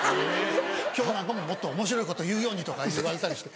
今日なんかも「もっとおもしろいこと言うように」とか言われたりして。